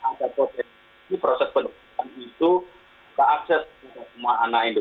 lalu bagaimana proses belajarnya sistem evaluasinya